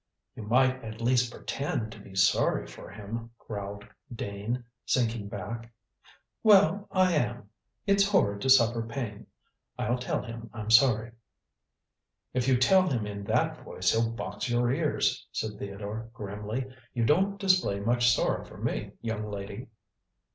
"You might at least pretend to be sorry for him," growled Dane, sinking back. "Well, I am. It's horrid to suffer pain. I'll tell him I'm sorry." "If you tell him in that voice he'll box your ears," said Theodore grimly. "You don't display much sorrow for me, young lady."